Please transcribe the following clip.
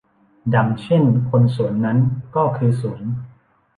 ดังเช่นคนสวนนั้นก็คือสวน